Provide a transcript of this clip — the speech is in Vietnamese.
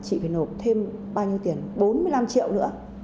chị phải nộp thêm bao nhiêu tiền bốn mươi năm triệu nữa